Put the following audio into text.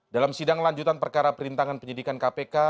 dalam sidang lanjutan perkara perintangan penyidikan kpk